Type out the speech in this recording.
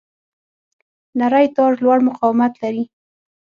نری تار لوړ مقاومت لري.